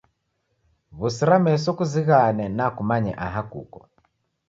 W'usira meso kuzighane na kumanye aha kuko.